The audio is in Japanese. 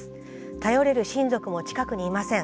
頼れる親族も近くにいません。